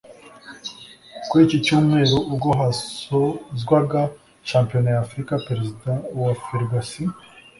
Kuri iki cyumweru ubwo hasozwaga Shampiyona ya Afurika; Perezida wa Ferwacy